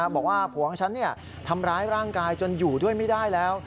บอกว่าผัวของฉันทำร้ายร่างกายจนอยู่ด้วยไม่ได้แล้ว